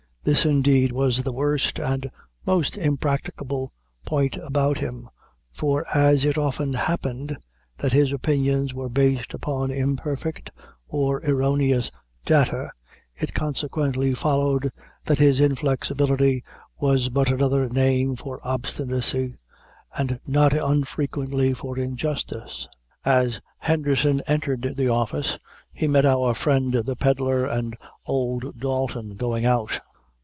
This, indeed, was the worst and most impracticable point about him; for as it often happened that his opinions were based upon imperfect or erroneous data, it consequently followed that his inflexibility was but another name for obstinacy, and not unfrequently for injustice. As Henderson entered the office, he met our friend the pedlar and old Dalton going out.